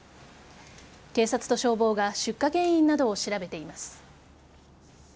警察と消防が出火原因などを調べています。